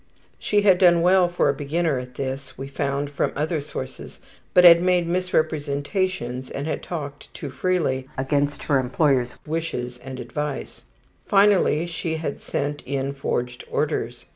She had done well for a beginner at this, we found from other sources, but had made misrepresentations and had talked too freely, against her employers' wishes and advice. Finally she had sent in forged orders.